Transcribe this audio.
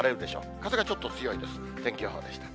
風がちょっと強いです。